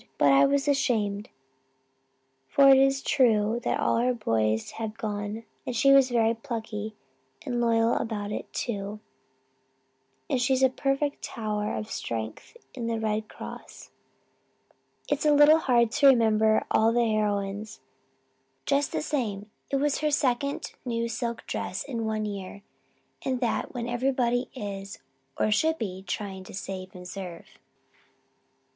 But I was ashamed for it is true that all her boys have gone and she was very plucky and loyal about it too; and she is a perfect tower of strength in the Red Cross. It's a little hard to remember all the heroines. Just the same, it was her second new silk dress in one year and that when everybody is or should be trying to 'save and serve.'